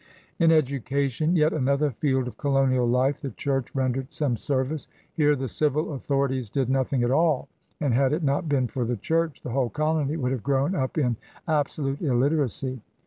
In education, yet another field of colonial life, the Church rendered some service. Here the civil authorities did nothing at all, and had it not been for the Church the whole colony would have grown up in absolute illiteracy.